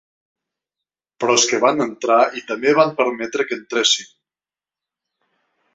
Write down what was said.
Però és que van entrar i també vam permetre que entressin.